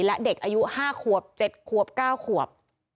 และเด็กอายุ๕ขวบ๗ขวบ๙ขวบ